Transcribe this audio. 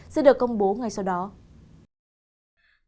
sẽ được công bố ngày sáng